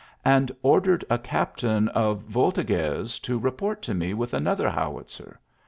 . and ordered a captain of voltigeurs to report to me with another howitzer.